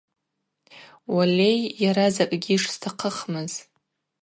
Уалей, йара закӏгьи шстахъыхмыз.